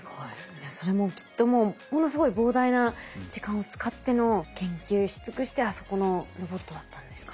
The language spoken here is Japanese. じゃそれもきっともうものすごい膨大な時間を使っての研究し尽くしてあそこのロボットだったんですかね。